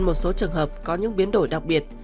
một số trường hợp có những biến đổi đặc biệt